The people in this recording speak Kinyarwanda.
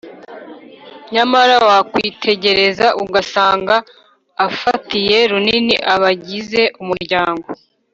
nyamara wakwitegereza ugasanga afatiye runini abagize umuryango